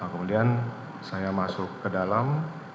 kemudian saya masuk ke dalam